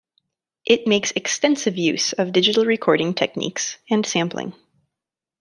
It makes extensive use of digital recording techniques and sampling.